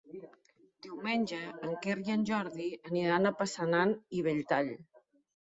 Diumenge en Quer i en Jordi aniran a Passanant i Belltall.